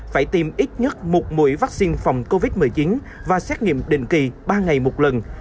phải tiêm ít nhất một mũi vaccine phòng covid một mươi chín và xét nghiệm định kỳ ba ngày một lần